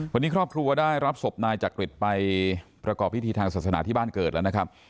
วันนี้ครอบครัวได้รับศพนายจักริตไปประกอบพิธีทางศาสนาที่บ้านเกิดแล้วนะครับ